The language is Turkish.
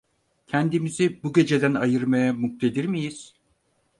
Kendimizi bu geceden ayırmaya muktedir miyiz?